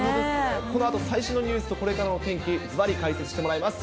このあと最新のニュースとこれからのお天気、ずばり解説してもらいます。